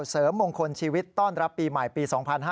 เสริมมงคลชีวิตต้อนรับปีใหม่ปี๒๕๕๙